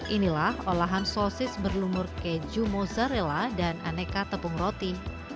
inilah olahan sosis berlumur keju mozzarella dan aneka tepung roti